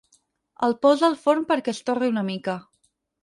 El posa al forn perquè es torri una mica.